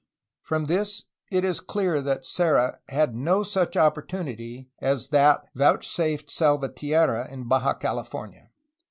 From this it is clear that Serra had no such opportunity as that vouchsafed Salvatierra in Baja California.